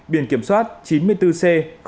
biển kiểm soát chín mươi bốn c